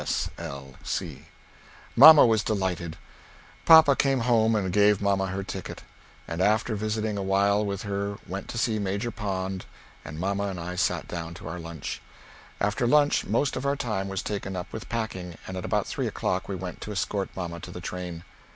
S. L. C.] Mamma was delighted. Papa came home and gave mamma her ticket; and after visiting a while with her went to see Major Pond and mamma and I sat down to our lunch. After lunch most of our time was taken up with packing, and at about three o'clock we went to escort mamma to the train.